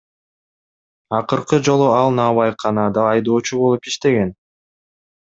Акыркы жолу ал наабайканада айдоочу болуп иштеген.